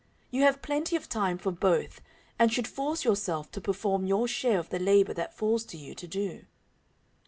You have plenty of time for both and should force yourself to perform your share of the labor that falls to you to do."